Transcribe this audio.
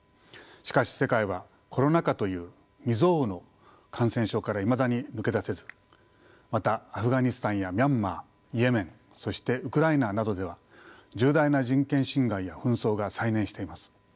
しかし世界はコロナ禍という未曽有の感染症からいまだに抜け出せずまたアフガニスタンやミャンマーイエメンそしてウクライナなどでは重大な人権侵害や紛争が再燃しています。